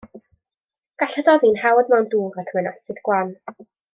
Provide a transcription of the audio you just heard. Gall hydoddi'n hawdd mewn dŵr ac mae'n asid gwan.